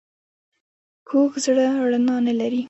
کوږ زړه رڼا نه لري